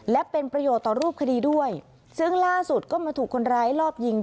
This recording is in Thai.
และเป็นประโยชน์ต่อรูปคดีด้วยซึ่งล่าสุดก็มาถูกคนร้ายรอบยิง